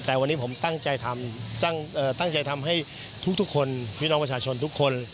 แต่วันนี้ผมตั้งใจทำตั้งใจทำให้ทุกคนพี่น้องประชาชนทุกคน